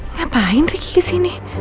ngapain ricky kesini